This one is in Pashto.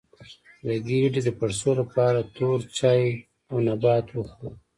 د ګیډې د پړسوب لپاره تور چای او نبات وخورئ